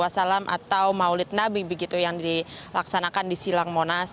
atau maulid nabi begitu yang dilaksanakan di silang monas